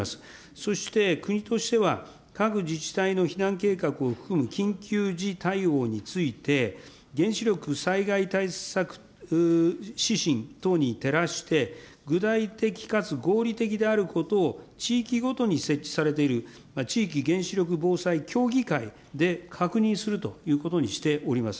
そして国としては、各自治体の避難計画を含む緊急時対応について、原子力災害対策指針等に照らして、具体的かつ合理的であることを地域ごとに設置されている、地域原子力防災協議会で確認するということにしております。